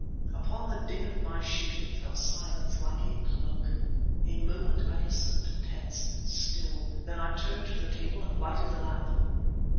Upon the din of my shooting fell silence like a cloak. A moment I listened, tense, still; then I turned to the table and lighted the lamp.